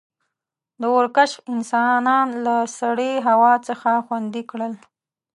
• د اور کشف انسانان له سړې هوا څخه خوندي کړل.